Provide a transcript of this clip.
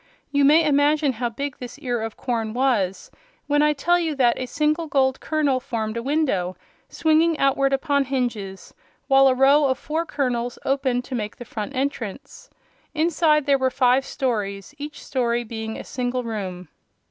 You may imagine how big this ear of corn was when I tell you that a single gold kernel formed a window, swinging outward upon hinges, while a row of four kernels opened to make the front entrance. Inside there were five stories, each story being a single room.